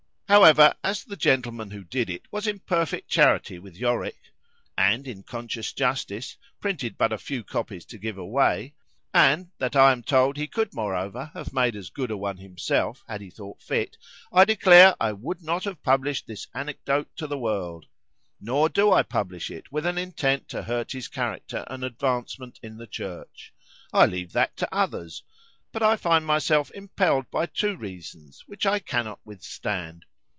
However, as the gentleman who did it was in perfect charity with Yorick,—and, in conscious justice, printed but a few copies to give away;—and that I am told he could moreover have made as good a one himself, had he thought fit,—I declare I would not have published this anecdote to the world;——nor do I publish it with an intent to hurt his character and advancement in the church;—I leave that to others;——but I find myself impelled by two reasons, which I cannot withstand.